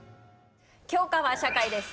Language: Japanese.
教科は社会です。